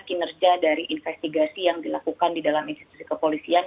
kinerja dari investigasi yang dilakukan di dalam institusi kepolisian